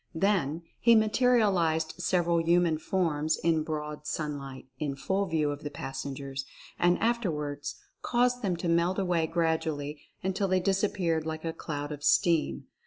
Then he materialized several human forms in broad sunlight in full view of the passengers, and afterwards caused them to melt away gradually until they disap peared like a cloud of steam.